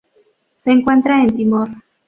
Se encuentra en Timor.